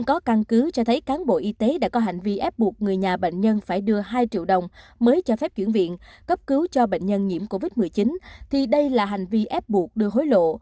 nếu có căn cứ cho thấy cán bộ y tế đã có hành vi ép buộc người nhà bệnh nhân phải đưa hai triệu đồng mới cho phép chuyển viện cấp cứu cho bệnh nhân nhiễm covid một mươi chín thì đây là hành vi ép buộc đưa hối lộ